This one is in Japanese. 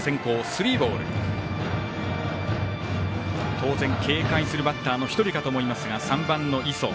当然、警戒するバッターの１人かと思いますが３番の磯。